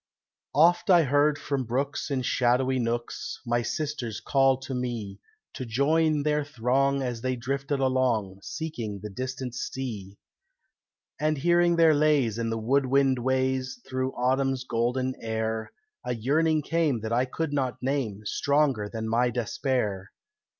Oft I heard from brooks in shadowy nooks My sisters call to me To join their throng as they drifted along, Seeking the distant sea. And hearing their lays in the woodland ways Through autumn's golden air, A yearning came that I could not name, Stronger than my despair.